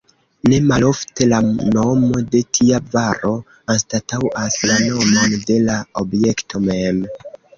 Ne malofte la nomo de tia varo anstataŭas la nomon de la objekto mem.